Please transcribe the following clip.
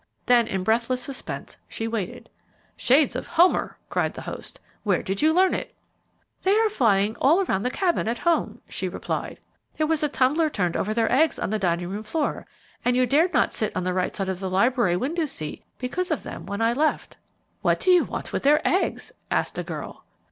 Then in breathless suspense she waited. "Shades of Homer!" cried the host. "Where did you learn it?" "They are flying all through the Cabin at home," she replied. "There was a tumbler turned over their eggs on the dining room floor, and you dared not sit on the right side of the library window seat because of them when I left." "What do you want with their eggs?" asked a girl.